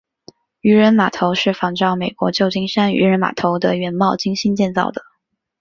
渔人码头是仿照美国旧金山渔人码头的原貌精心建造的。